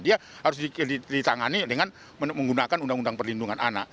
dia harus ditangani dengan menggunakan undang undang perlindungan anak